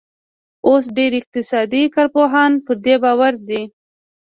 اوس ډېر اقتصادي کارپوهان پر دې باور دي